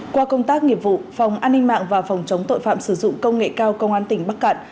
qua công tác nghiệp vụ phòng an ninh mạng và phòng chống tội phạm sử dụng công nghệ cao công an tỉnh bắc cạn